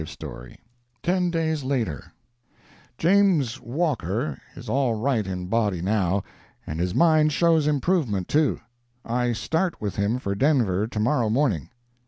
V Ten days later "James Walker" is all right in body now, and his mind shows improvement too. I start with him for Denver to morrow morning.